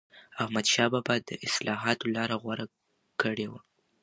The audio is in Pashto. احمدشاه بابا د اصلاحاتو لاره غوره کړې وه.